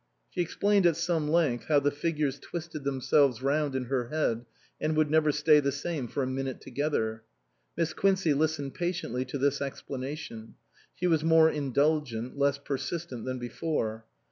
She explained at some length how the figures twisted themselves round in her head and would never stay the same for a minute together. Miss Quincey listened patiently to this explanation ; she was more indulgent, less persistent than before.